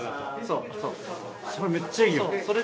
それめっちゃいいよ。